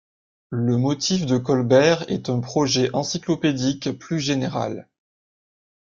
Le motif de Colbert est un projet encyclopédique plus général.